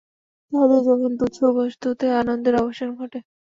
তাঁহাদের তখন তুচ্ছবস্তুতে আনন্দের অবসান ঘটে।